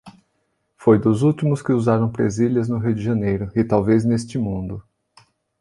Foi dos últimos que usaram presilhas no Rio de Janeiro, e talvez neste mundo.